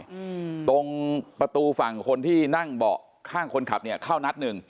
อืมตรงประตูฝั่งคนที่นั่งเบาะข้างคนขับเนี้ยเข้านัดหนึ่ง